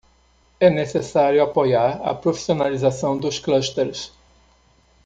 É necessário apoiar a profissionalização dos clusters.